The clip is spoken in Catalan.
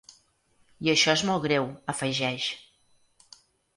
I això és molt greu, afegeix.